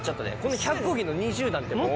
１００コギの２０段ってもう。